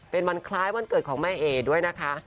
เป็นวันคล้ายวันเกิดของแม่เอด้วยนะคะ